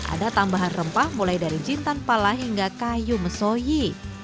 ada tambahan rempah mulai dari jintan pala hingga kayu mesoyi